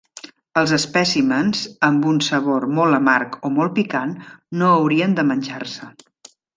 Els espècimens amb un sabor molt amarg o molt picant no haurien de menjar-se.